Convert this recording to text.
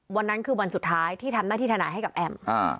วันนั้นคือวันสุดท้ายที่ทำหน้าที่ทนายให้กับแอม